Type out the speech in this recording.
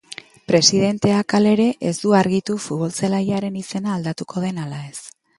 Presidenteak, halere, ez du argitu futbol-zelaiaren izena aldatuko den ala ez.